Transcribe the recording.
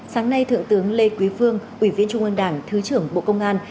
sáng nay thượng tướng lê quý phương ủy viên trung ương đảng thứ trưởng bộ công an